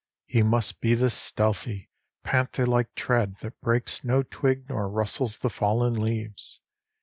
His must be the stealthy, panther like tread that breaks no twig nor rustles the fallen leaves.